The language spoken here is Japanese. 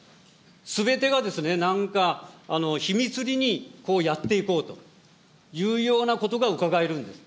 すべてがなんか、秘密裏にやっていこうというようなことが伺えるんです。